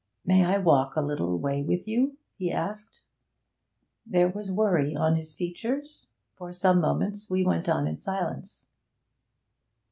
'May I walk a little way with you?' he asked. There was worry on his features. For some moments we went on in silence.